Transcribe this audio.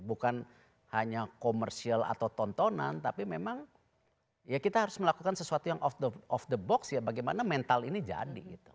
bukan hanya komersial atau tontonan tapi memang ya kita harus melakukan sesuatu yang of the box ya bagaimana mental ini jadi gitu